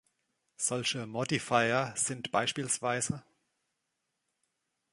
Solche "Modifier" sind bspw.